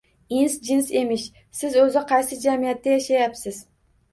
Ins-jins emish! Siz o‘zi qaysi jamiyatda yashayapsiz?